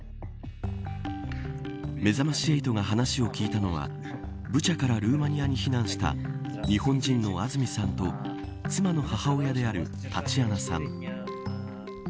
めざまし８が話を聞いたのはブチャからルーマニアに避難した日本人の安栖さんと妻の母親であるタチアナさん。